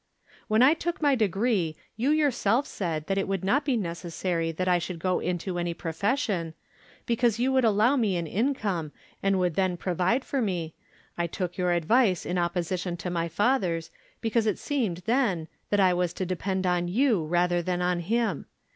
"When I took my degree you yourself said that it would not be necessary that I should go into any profession, because you would allow me an income, and would then provide for me, I took your advice in opposition to my father's, because it seemed then that I was to depend on you rather than on him.